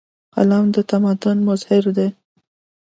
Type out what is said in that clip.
قلم د تمدن مظهر دی.